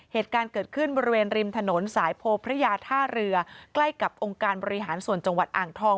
เหตุการณ์เกิดขึ้นบริเวณริมถนนสายโพพระยาท่าเรือใกล้กับองค์การบริหารส่วนจังหวัดอ่างทอง